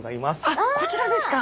あっこちらですか。